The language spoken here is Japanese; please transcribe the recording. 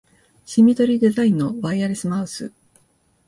シンメトリーデザインのワイヤレスマウス